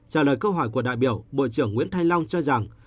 trả lời câu hỏi của đại biểu bộ trưởng nguyễn thanh long cho rằng